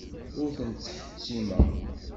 Ur ten-ttḥettimeɣ.